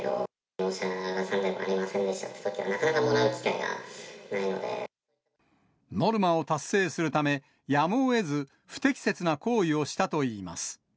納車が３台もありませんでしたというときには、なかなかもらう機ノルマを達成するため、やむをえず不適切な行為をしたといいます。